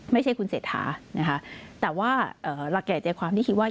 ไม่ใช่คุณเศรษฐานะคะแต่ว่าหลักแก่ใจความที่คิดว่า